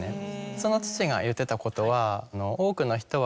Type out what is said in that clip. その父が言ってたことは「多くの人は」。